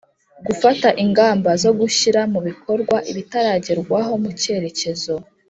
Gufata ingamba zo gushyira mu bikorwa ibitaragerwaho mu cyerekezo